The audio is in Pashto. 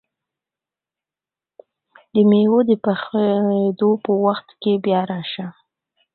د مېوو د پخېدو په وخت کې بیا راشئ!